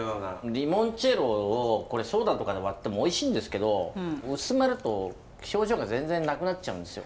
リモンチェッロをソーダとかで割ってもおいしいんですけど薄まると表情が全然なくなっちゃうんですよ。